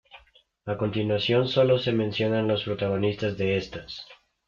A continuación sólo se mencionan los protagonistas de estas.